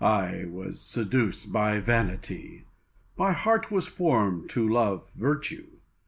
Machiavel. I was seduced by vanity. My heart was formed to love virtue.